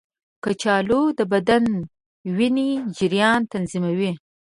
کچالو د بدن وینې جریان تنظیموي.